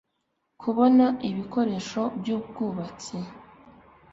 kubona ibikoresho by'ubwubatsi